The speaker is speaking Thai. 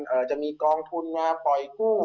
อาจจะมีกองทุนมาปล่อยกู้